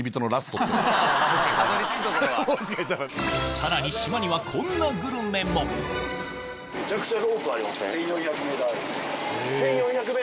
さらに島にはこんなグルメも１４００ｍ？